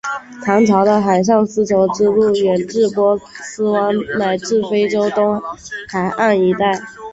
唐朝的海上丝绸之路远至波斯湾乃至非洲东海岸一带。